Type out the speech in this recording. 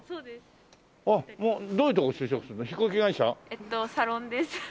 えっとサロンです。